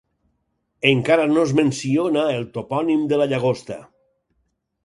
Encara no es menciona el topònim de la Llagosta.